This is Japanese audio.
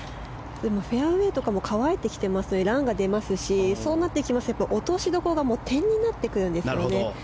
フェアウェーとかも乾いてきてますのでランが出ますしそうなってきますと落としどころが点になってくるんです。